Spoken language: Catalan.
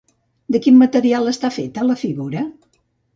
De quin material està feta, la figura?